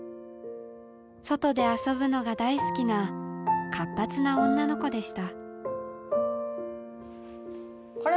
外で遊ぶのが大好きな活発な女の子でした。